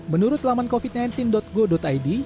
menurut laman covid sembilan belas go id